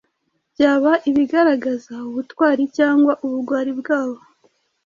byaba ibigaragaza ubutwari cyangwa ubugwari bwabo,